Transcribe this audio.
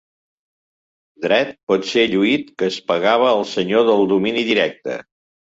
Dret potser lluït que es pagava al senyor del domini directe.